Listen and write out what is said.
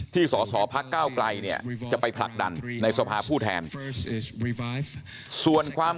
สอสอพักก้าวไกลเนี่ยจะไปผลักดันในสภาผู้แทนส่วนความ